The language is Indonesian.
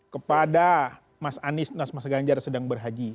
kepada mas anies mas ganjar sedang berhaji